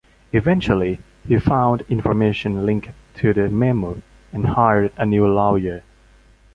Eventually, he found information linked to the memo and hired a new lawyer.